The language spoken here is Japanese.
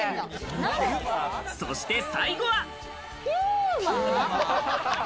そして最後は。